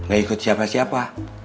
gak ikut siapa siapa